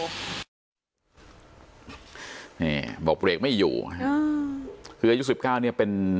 นี่บอกเบรกไม่อยู่คืออายุสิบเก้าเนี่ยเป็น